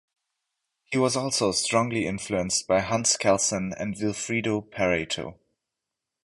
He was also strongly influenced by Hans Kelsen and Vilfredo Pareto.